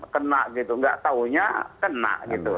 kena gitu nggak tahunya kena gitu